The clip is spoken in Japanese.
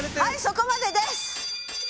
そこまでです。